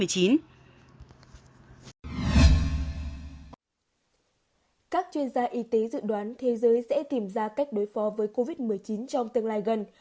các chuyên gia y tế dự đoán thế giới sẽ tìm ra cách đối phó với covid một mươi chín trong tương lai gần